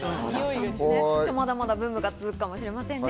さまざまなブームが続くかもしれませんね。